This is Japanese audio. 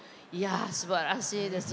すばらしいです。